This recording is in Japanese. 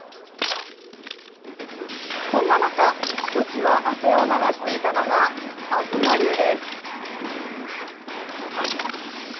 そんな中、ひときわ汗を流していたのが、東龍です。